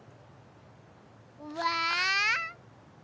うわ